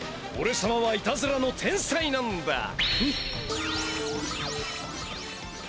俺様はいたずらの天才なんだ！